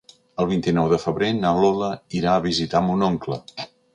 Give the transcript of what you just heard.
El vint-i-nou de febrer na Lola irà a visitar mon oncle.